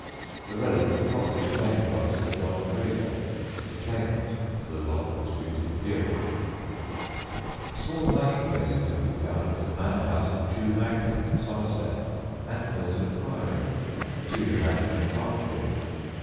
The relic was promptly claimed by Mr. John Fraser, the claimant to the long disputed peerage. [Footnote 1: December 14th, 1895.] Small hiding places have been found at the manor house of Chew Magna, Somerset, and Milton Priory, a Tudor mansion in Berkshire.